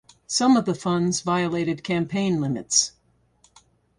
Some of the funds violated campaign limits.